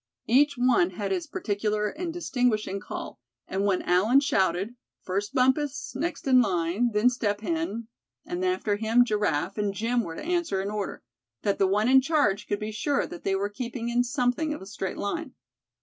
Each one had his particular and distinguishing call, and when Allen shouted, first Bumpus, next in line, then Step Hen, and after him Giraffe and Jim were to answer in order; that the one in charge could be sure that they were keeping in something of a straight line.